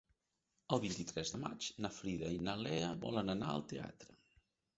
El vint-i-tres de maig na Frida i na Lea volen anar al teatre.